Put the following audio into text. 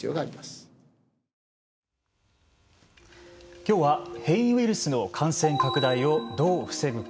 きょうは変異ウイルスの感染拡大をどう防ぐか。